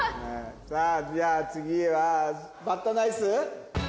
さあじゃあ次はバッドナイス。